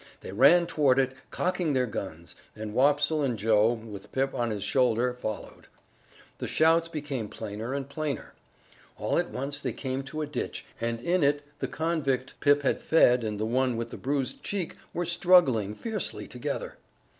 They ran toward it, cocking their guns, and Wopsle and Joe, with Pip on his shoulder, followed. The shouts became plainer and plainer. All at once they came to a ditch and in it the convict Pip had fed and the one with the bruised cheek were struggling fiercely together.